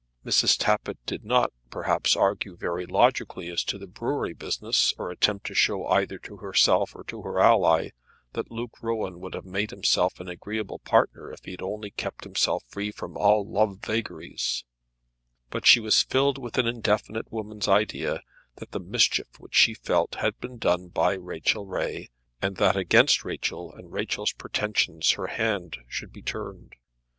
Mrs. Tappitt did not, perhaps, argue very logically as to the brewery business, or attempt to show either to herself or to her ally that Luke Rowan would have made himself an agreeable partner if he had kept himself free from all love vagaries; but she was filled with an indefinite woman's idea that the mischief, which she felt, had been done by Rachel Ray, and that against Rachel and Rachel's pretensions her hand should be turned.